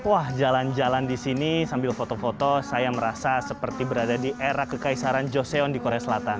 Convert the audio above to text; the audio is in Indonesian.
wah jalan jalan di sini sambil foto foto saya merasa seperti berada di era kekaisaran joseon di korea selatan